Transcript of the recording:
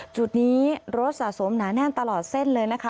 จุดนี้รถสะสมหนาแน่นตลอดเส้นเลยนะคะ